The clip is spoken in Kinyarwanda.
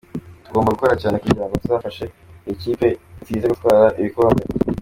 Tugomba gukora cyane kugira ngo tuzafashe iyi kipe nziza gutwara ibikombe.